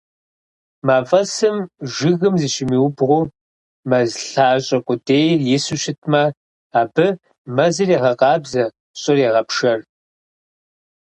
Мафӏэсым жыгым зыщимыубгъуу, мэз лъащӏэ къудейр ису щытмэ, абы мэзыр егъэкъабзэ, щӏыр егъэпшэр.